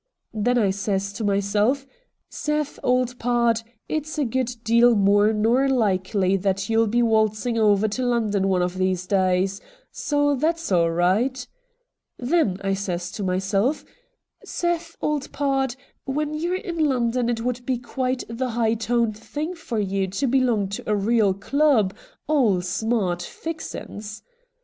Then I says to myself, " Seth, old pard, it's a good deal more nor likely that you'll be waltzing over to Lon don one of these days. So that's all right." Then I says to myself, " Seth, old pard, when you're in London it would be quite the high toned thing for you to belong to a real club, all smart fixin's."